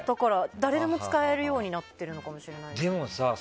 誰でも使えるようになってるのかもしれない。